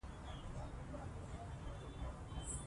د رواني معالجې ملاتړ د ستونزو د کمېدو سبب کېږي.